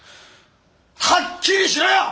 はっきりしろよ！